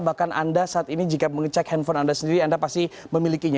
bahkan anda saat ini jika mengecek handphone anda sendiri anda pasti memilikinya